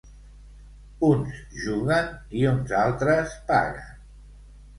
Uns juguen i uns altres paguen.